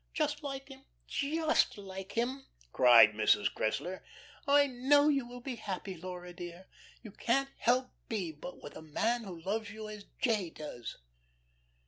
"Just like him, just like him!" cried Mrs. Cressler. "I know you will be happy, Laura, dear. You can't help but be with a man who loves you as 'J.' does."